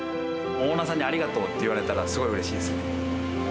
オーナーさんにありがとうって言われたら、すごいうれしいですね。